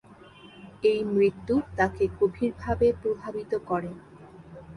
এই মৃত্যু তাকে গভীরভাবে প্রভাবিত করে।